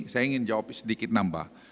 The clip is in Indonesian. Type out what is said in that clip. saya ingin jawab sedikit nambah